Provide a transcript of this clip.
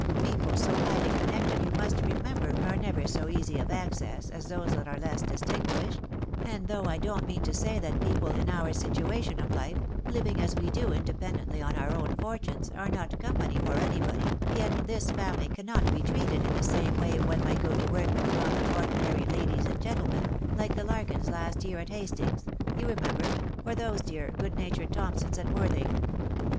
People so highly connected, you must remember, are never so easy of access as those that are less distinguished ; and though I don't mean to say that people in our situation of life, living as we do independently on our own fortunes, are not company for anybody, yet this family cannot be treated in the same way one might go to work with common ordinary ladies and gentlemen, like the Larkins last year at Hastings, you remember, or those dear, good natured Thompsons at Worthing.